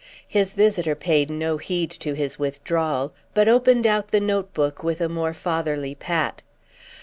His visitor paid no heed to his withdrawal; but opened out the note book with a more fatherly pat.